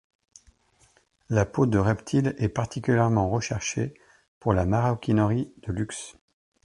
La peau de reptiles est particulièrement recherchée par la maroquinerie de luxe.